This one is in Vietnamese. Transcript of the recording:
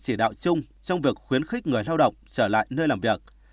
chỉ đạo chung trong việc khuyến khích người lao động trở lại nơi làm việc